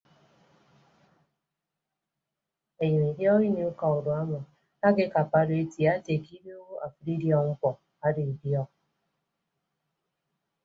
Enyem idiok ini uka urua ọmọ akekappa odo eti ate ke idooho afịd idiọk mkpọ ado idiọk.